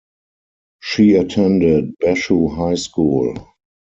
She attended Bashu High School.